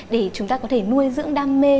để chúng ta có thể nuôi dưỡng đam mê